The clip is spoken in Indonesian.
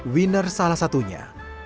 winner salah satunya